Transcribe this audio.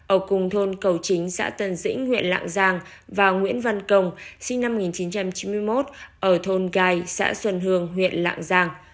ở cùng thôn cầu chính xã tân dĩnh huyện lạng giang và nguyễn văn công sinh năm một nghìn chín trăm chín mươi một ở thôn gai xã xuân hương huyện lạng giang